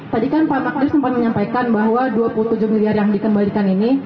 tadi kan pak makarim sempat menyampaikan bahwa dua puluh tujuh miliar yang dikembalikan ini